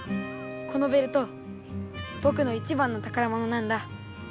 このベルトぼくの一番のたからものなんだ。